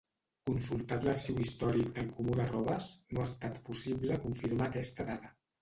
Consultat l'Arxiu Històric del Comú de Robes no ha estat possible confirmar aquesta dada.